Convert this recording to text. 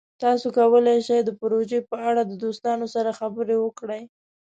تاسو کولی شئ د پروژې په اړه د دوستانو سره خبرې وکړئ.